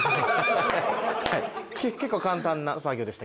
簡単な作業でした？